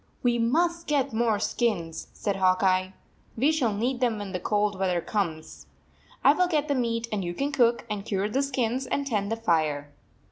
"We must get more skins," said Hawk Eye. "We shall need them when cold weather comes. I will get the meat, and you can cook, and cure the skins, and tend the fire."